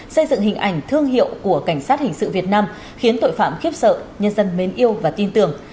xây dựng hình ảnh thương hiệu của cảnh sát hình sự việt nam khiến tội phạm khiếp sợ nhân dân mến yêu và tin tưởng